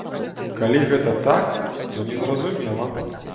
Калі гэты так, то незразумела.